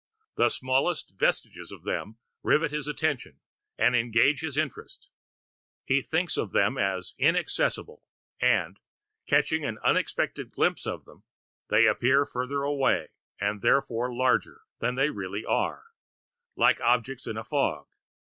The smallest vestiges of them rivet his attention and engage his interest. He thinks of them as inaccessible; and, catching an unexpected glimpse of them, they appear farther away, and therefore larger, than they really are like objects in a fog.